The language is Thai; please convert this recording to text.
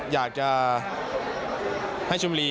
อยากจะให้ชมรี